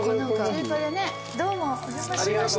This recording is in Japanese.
どうもお邪魔しました。